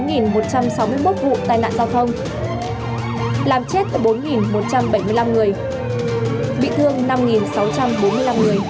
trên toàn quốc xảy ra tám một trăm sáu mươi một vụ tai nạn giao thông làm chết bốn một trăm bảy mươi năm người bị thương năm sáu trăm bốn mươi năm người